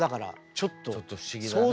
ちょっと不思議だね。